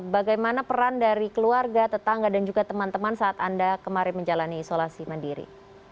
bagaimana peran dari keluarga tetangga dan juga teman teman saat anda kemarin menjalani isolasi mandiri